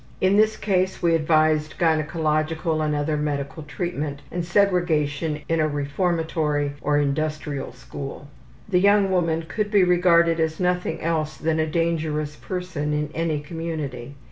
In this case we advised gynecological and other medical treatment and segregation in a reformatory or industrial school. The young woman could be regarded as nothing else than a dangerous person in any community.